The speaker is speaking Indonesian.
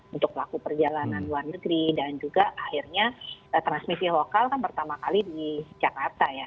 untuk pelaku perjalanan luar negeri dan juga akhirnya transmisi lokal kan pertama kali di jakarta ya